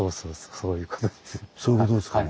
そういうことですかね。